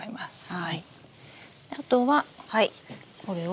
はい。